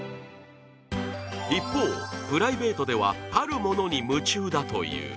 一方、プライベートではあるものに夢中だという。